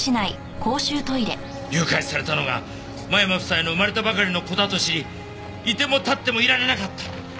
誘拐されたのが間山夫妻の生まれたばかりの子だと知り居ても立ってもいられなかった。